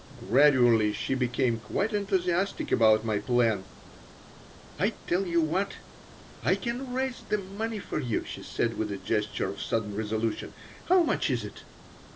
Gradually she became quite enthusiastic about my plan "I tell you what. I can raise the money for you," she said, with a gesture of sudden resolution. "How much is it?"